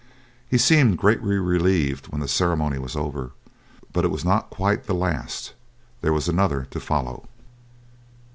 He seemed greatly relieved when the ceremony was over, but it was not quite the last, there was another to follow.